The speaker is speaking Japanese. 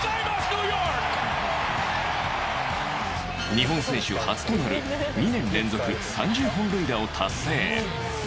日本選手初となる２年連続３０本塁打を達成。